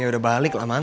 ya udah balik lah man